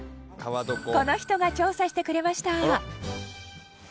この人が調査してくれました。